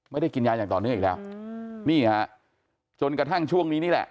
ไม่ได้กินยาอย่างต่อเนื่องอีกแล้วนี่ฮะจนกระทั่งช่วงนี้นี่แหละ